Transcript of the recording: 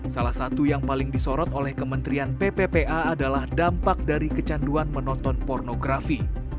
salah satu yang paling disorot oleh kementerian pppa adalah dampak dari kecanduan menonton pornografi